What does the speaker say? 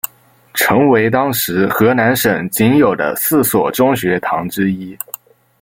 成为当时河南省仅有的四所中学堂之一。